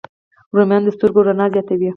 رومیان د سترګو رڼا زیاتوي